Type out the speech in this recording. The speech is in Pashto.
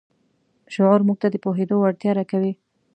شعور موږ ته د پوهېدو وړتیا راکوي.